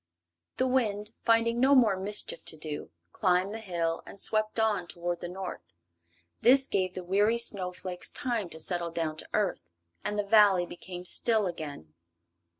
The wind, finding no more mischief to do, climbed the hill and swept on toward the north. This gave the weary snowflakes time to settle down to earth, and the Valley became still again.